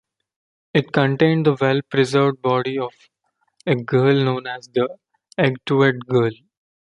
It contained the well preserved body of a girl known as the "Egtved Girl".